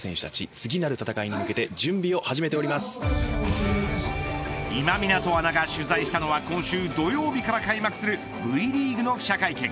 次なる戦いに向けて今湊アナが取材したのは今週土曜日から開幕するＶリーグの記者会見。